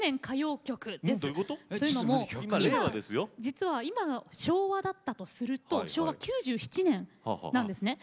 令和ですよ。というのも実は今が昭和だったとすると昭和９７年なんですね。